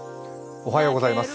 おはようございます。